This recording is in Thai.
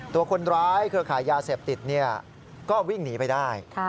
ตัวคนร้ายเครือขายยาเสพติดก็วิ่งหนีไปได้